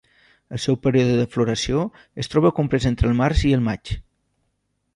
El seu període de floració es troba comprès entre el març i el maig.